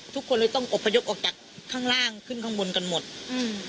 ทุกคนเลยต้องอบพยพออกจากข้างล่างขึ้นข้างบนกันหมดอืม